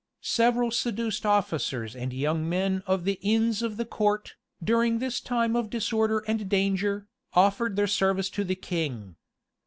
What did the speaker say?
Several seduced officers and young gentlemen of the inns of court, during this time of disorder and danger, offered their service to the king.